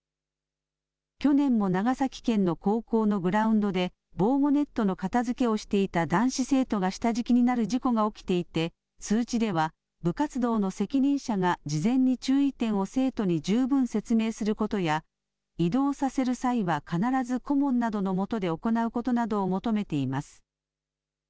去年も長崎県の高校のグラウンドで防護ネットの片づけをしていた男子生徒が下敷きになる事故が起きていて通知では部活動の責任者が事前に注意点を生徒に十分説明することや移動させる際は必ず顧問などのもとで行うことなどを求めています。